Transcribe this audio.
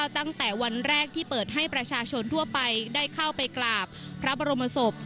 ตั้งแต่วันแรกที่เปิดให้ประชาชนทั่วไปได้เข้าไปกราบพระบรมศพ